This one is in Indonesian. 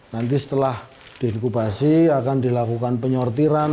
nanti setelah diinkubasi akan dilakukan penyortiran